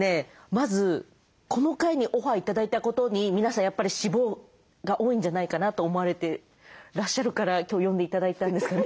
まずこの回にオファー頂いたことに皆さんやっぱり脂肪が多いんじゃないかなと思われてらっしゃるから今日呼んで頂いたんですかね。